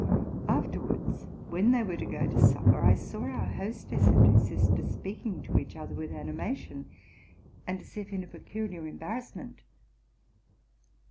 Afterwards, when they were to go to supper, I saw our hostess and her sister speaking to each other with animation, and as if in a peculiar embarrass ment.